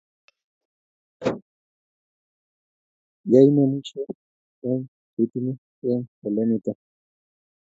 Yai nemuchi eng che itinye eng ole imi